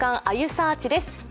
あゆサーチ」です。